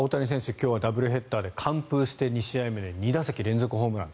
今日はダブルヘッダーで完封して、２試合目で２打席連続ホームラン。